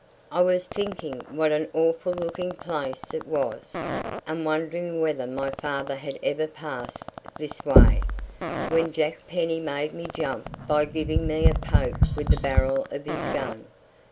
I was thinking what an awful looking place it was, and wondering whether my father had ever passed this way, when Jack Penny made me jump by giving me a poke with the barrel of his gun.